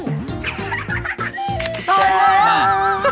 ตายแล้ว